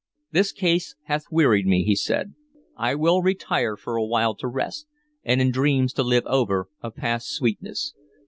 "This case hath wearied me," he said. "I will retire for a while to rest, and in dreams to live over a past sweetness.